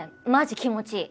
気持ちいい？